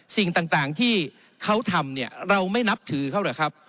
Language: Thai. สิ่งต่างที่เขาทำเนี่ยเราไม่นับถือเขาเหรอครับ